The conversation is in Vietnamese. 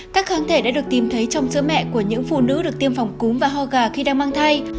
các kháng thể đã được tìm thấy trong sữa mẹ của những phụ nữ được tiêm phòng cúm và ho gà khi đang mang thai